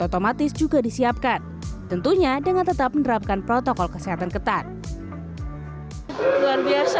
otomatis juga disiapkan tentunya dengan tetap menerapkan protokol kesehatan ketat luar biasa